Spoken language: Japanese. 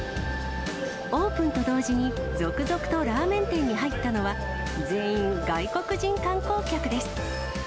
オープンと同時に、続々とラーメン店に入ったのは、全員外国人観光客です。